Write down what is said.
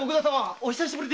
お久しぶりで。